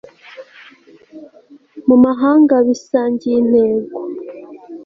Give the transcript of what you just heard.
mu mahanga bisangiye intego